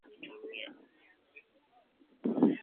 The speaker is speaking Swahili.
Fikiria vile unaweza kuitumia